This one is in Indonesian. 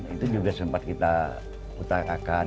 itu juga sempat kita utarakan